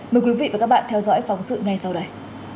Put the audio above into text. mời quý vị và các bạn theo dõi phóng sự ngay sau đây